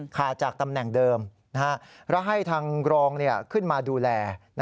และให้ทางรองขึ้นมาดูแล